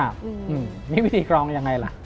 นี่วิธีกรองยังไงล่ะ